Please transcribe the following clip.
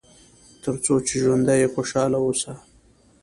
تر څو چې ژوندی یې خوشاله اوسه.